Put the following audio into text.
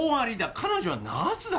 彼女はナースだよ？